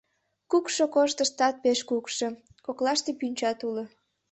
Кукшо кож тыштат пеш кукшо, коклаште пӱнчат уло.